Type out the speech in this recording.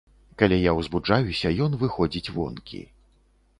Калі я ўзбуджаюся, ён выходзіць вонкі.